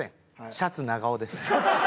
シャツ長夫です。